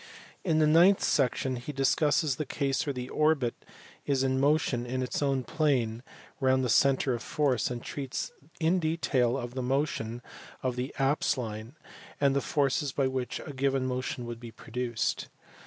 In the ninth section he discusses the case where the orbit is in motion in its own plane round the centre of force, and treats in detail of the motion of the apse line, and the forces by which a given motion would be produced.